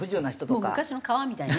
もう昔の川みたいにね。